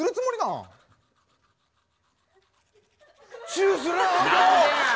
チューするん？